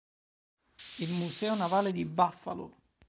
Il Museo navale di Buffalo